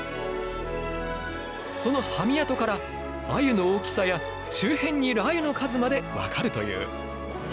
そのハミ跡からアユの大きさや周辺にいるアユの数まで分かるという。